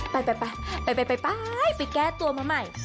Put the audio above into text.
ไปไปแก้ตัวมาใหม่